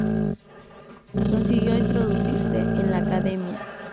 Consiguió introducirse en la Academia.